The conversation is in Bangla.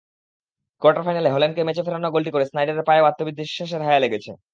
কোয়ার্টার ফাইনালে হল্যান্ডকে ম্যাচে ফেরানো গোলটি করে স্নাইডারের পায়েও আত্মবিশ্বাসের হাওয়া লেগেছে।